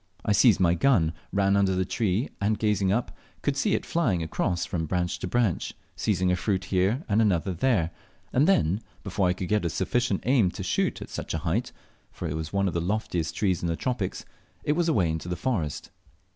I seized my gun, ran under the tree, and, gazing up, could see it flying across from branch to branch, seizing a fruit here and another there, and then, before I could get a sufficient aim to shoot at such a height (for it was one of the loftiest trees of the tropics), it was away into the forest.